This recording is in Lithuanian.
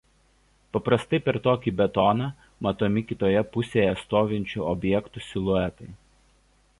Paprastai per tokį betoną matomi kitoje pusėje stovinčių objektų siluetai.